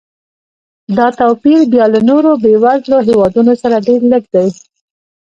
دا توپیر بیا له نورو بېوزلو هېوادونو سره ډېر لږ دی.